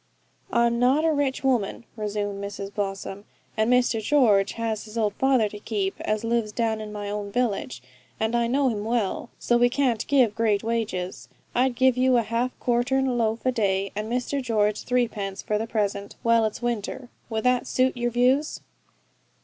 'I'm not a rich woman,' resumed Mrs Blossom, 'and Mr George has his old father to keep, as lives down in my own village, and I know him well; so we can't give great wages. I'd give you a half quartern loaf a day, and Mr George threepence for the present, while it's winter. Would that suit your views?'